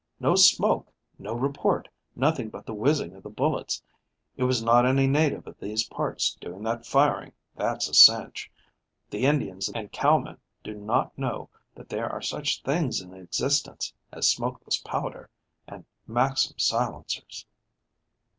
"No smoke, no report, nothing but the whizzing of the bullets. It was not any native of these parts doing that firing, that's a cinch. The Indians and cowmen do not know that there are such things in existence as smokeless powder and Maxim silencers."